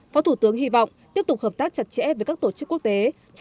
phó thủ tướng hy vọng tiếp tục hợp tác chặt chẽ với các tổ chức quốc tế